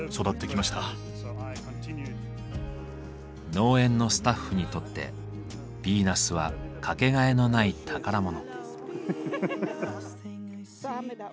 農園のスタッフにとってヴィーナスは掛けがえのない宝物。